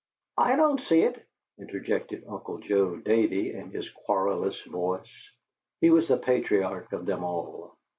"I don't see it," interjected Uncle Joe Davey, in his querulous voice. (He was the patriarch of them all.)